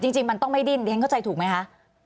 จริงมันต้องไม่ดิ้นเรียนเข้าใจถูกไหมคะ